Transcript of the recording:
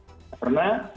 karena penggunaan pengetahuan